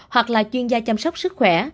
hoặc là chuyên gia chăm sóc sức khỏe